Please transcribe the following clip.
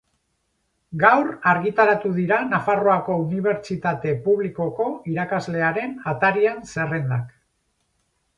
Gaur argitaratu dira Nafarroako Unibertsitate Publikoko irakaslearen atarian zerrendak.